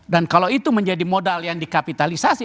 dan kalau itu menjadi modal yang dikapitalisasi